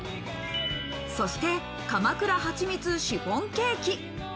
そして鎌倉はちみつシフォンケーキ。